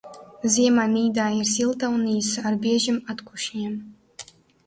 Ziema Nidā ir silta un īsa ar biežiem atkušņiem.